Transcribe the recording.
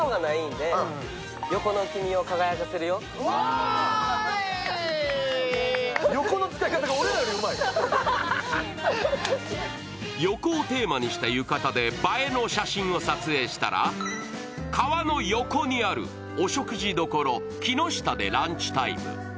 ありがとうございます横をテーマにした浴衣で映えの写真を撮影したら川の横にあるお食事処木下でランチタイム。